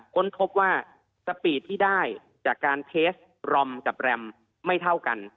ค้นพบว่าสปีดที่ได้จากการเทสรอมกับแรมไม่เท่ากัน